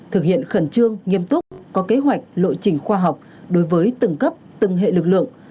thực hiện khẩn trương nghiêm túc có kế hoạch lộ trình khoa học đối với từng cấp từng hệ lực lượng